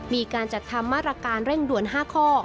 มีการจัดทำมาตรการเร่งด่วน๕ข้อ